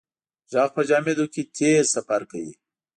غږ په جامدو کې تېز سفر کوي.